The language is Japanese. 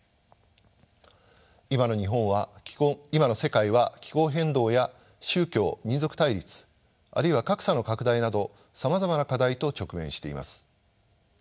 今の世界は気候変動や宗教民族対立あるいは格差の拡大などさまざまな課題と直面しています。